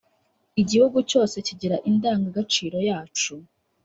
igihugu cyose kigira indangagaciro yacu